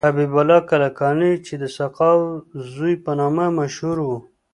حبیب الله کلکانی چې د سقاو زوی په نامه مشهور و.